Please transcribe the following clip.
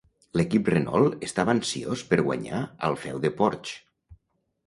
L'equip Renault estava ansiós per guanyar al feu de Porsche.